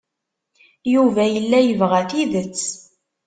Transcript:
Yuba yella yebɣa tidet.